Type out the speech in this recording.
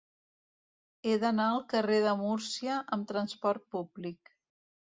He d'anar al carrer de Múrcia amb trasport públic.